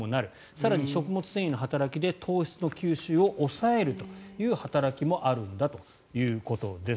更に食物繊維の働きで糖質の吸収を抑える働きもあるんだということです。